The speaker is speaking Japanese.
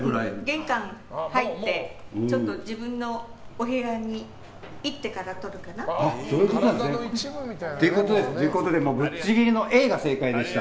玄関入って自分のお部屋に行ってから取るかな。ということでぶっちぎりのＡが正解でした。